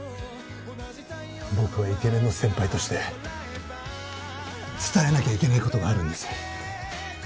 僕はイケメンの先輩として伝えなきゃいけない事があるんです。